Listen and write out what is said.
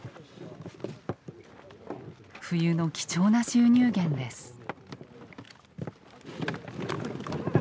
冬の貴重な収入源です。